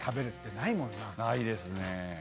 ないですね。